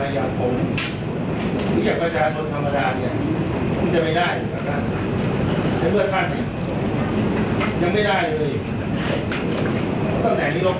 อาจารย์ต้องพูดแล้วเพราะถ้าอาจารย์ไม่พูดอ่ะนี่ไม่มีโอกาสพูดแล้วอาจารย์